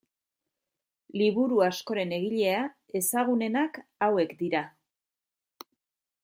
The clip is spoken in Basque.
Liburu askoren egilea, ezagunenak hauek dira.